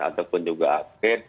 ataupun juga upgrade